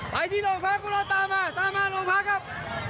ไปที่โรงพักพวกเราตามมาตามมาโรงพักครับ